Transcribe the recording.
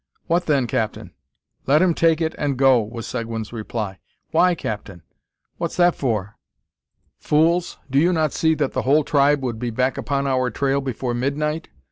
"What then, captain?" "Let him take it, and go," was Seguin's reply. "Why, captain? what's that for?" "Fools! do you not see that the whole tribe would be back upon our trail before midnight?